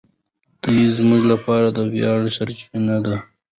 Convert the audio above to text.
دی زموږ لپاره د ویاړ سرچینه ده.